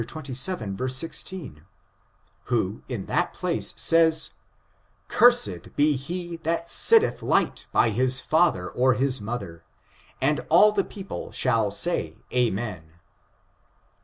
xxvii, 16, who, in that place says, '< cursed be he that setteth light by his father or his mother, and all the people shall say amen."